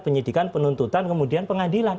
penyidikan penuntutan kemudian pengadilan